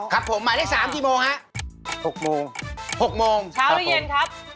ครับผมหมายเลข๓กี่โมงครับ